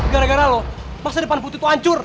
gara gara lu masa depan putri tuh hancur